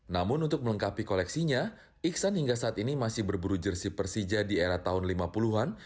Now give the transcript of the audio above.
namun untuk melengkapi koleksinya iksan hingga saat ini masih berburu jersi persija di era tahun lima puluh an